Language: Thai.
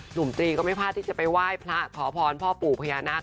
หนุ่มตรีก็ไม่พลาดไปว่ายพระขอพรพ่อปู่พญานาค